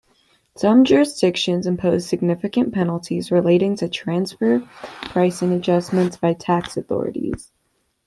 Some jurisdictions impose significant penalties relating to transfer pricing adjustments by tax authorities.